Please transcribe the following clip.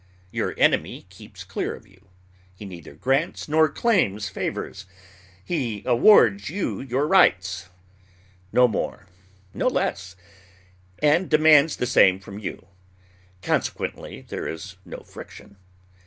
Your enemy keeps clear of you. He neither grants nor claims favors. He awards you your rights, no more, no less, and demands the same from you. Consequently there is no friction.